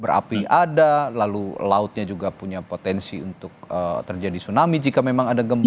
berapi ada lalu lautnya juga punya potensi untuk terjadi tsunami jika memang ada gempa